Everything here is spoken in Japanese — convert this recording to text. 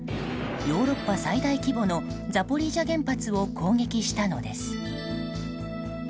ヨーロッパ最大規模のザポリージャ原発を攻撃したのです。